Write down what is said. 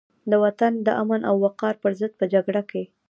د وطن د امن او وقار پرضد په جګړه کې دي.